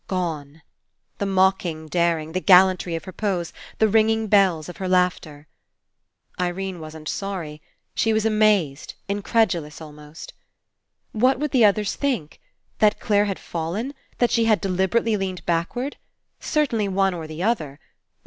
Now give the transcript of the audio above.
Gone! The mocking daring, the gallantry of her pose, the ringing bells of her laughter. Irene wasn't sorry. She was amazed, in credulous almost. What would the others think? That Clare had fallen? That she had deliberately leaned backward? Certainly one or the other.